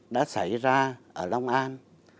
đã xảy ra ở long an